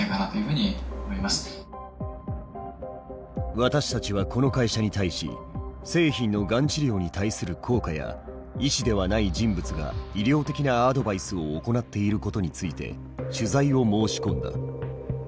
私たちはこの会社に対し製品のがん治療に対する効果や医師ではない人物が医療的なアドバイスを行っていることについて取材を申し込んだ。